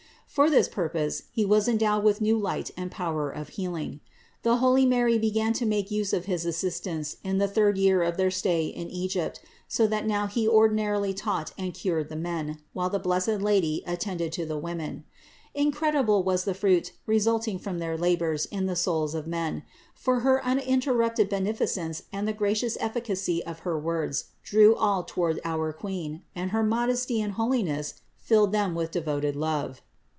For this purpose he was endowed with new light and power of healing. The holy Mary began to make use of his assistance in the third year of their stay in Egypt; so that now he ordinarily taught and cured the men, while the blessed Lady attended to the women. Incredible was the fruit resulting from their labors in the souls of men ; for her uninterrupted beneficence and the gracious efficacy of her words drew all toward our Queen, and her modesty and holiness filled them with devoted love.